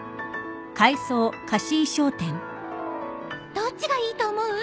どっちがいいと思う？